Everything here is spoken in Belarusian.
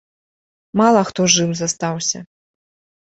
Мала хто жыў застаўся.